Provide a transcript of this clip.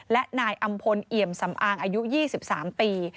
และนายอำพลเอี่ยมสำอางอายุ๒๓ปี